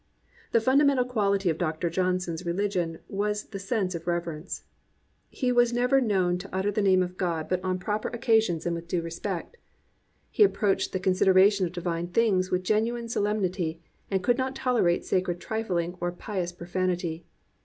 The fundamental quality of Dr. Johnson's re ligion was the sense of reverence. He was never "known to utter the name of God but on proper 326 A STURDY BELIEVER occasions and with due respect/* He approached the consideration of divine things with genuine so lemnity, and could not tolerate sacred trifling or pious profanity.